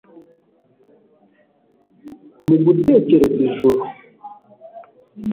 Mugutekereza Ijuru